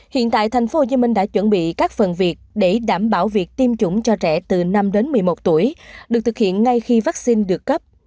hiện tại thành phố hồ chí minh đã chuẩn bị các phần việc để đảm bảo việc tiêm chủng cho trẻ từ năm một mươi một tuổi được thực hiện ngay khi vaccine được cấp